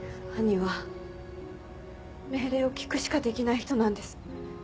兄は命令を聞くしかできない人なんです。